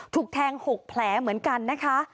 ถูกแทง๖แผลเหมือนกันนะคะ